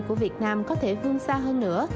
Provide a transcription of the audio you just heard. của việt nam có thể vươn xa hơn nữa